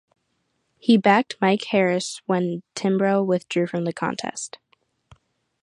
He backed Mike Harris when Timbrell withdrew from the contest.